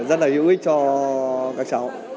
rất là hữu ích cho các cháu